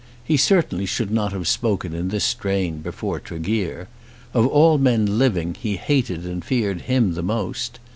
He certainly should not have spoken in this strain before Tregear. Of all men living he hated and feared him the most.